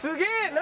何？